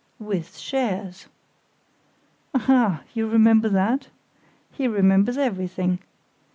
"With shares." "Ah! you remember that? (He remembers everything!)